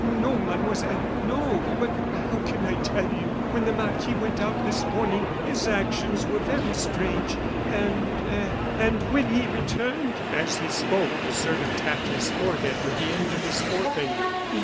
"No, Mademoiselle, no; but how can I tell you? When the marquis went out this morning his actions were very strange, and and when he returned " As he spoke the servant tapped his forehead with the end of his forefinger.